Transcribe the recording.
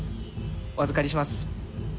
お預かりします。